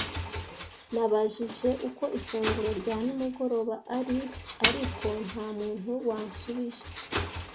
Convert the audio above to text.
Nababajije uko ifunguro rya nimugoroba ari, ariko nta muntu wansubije.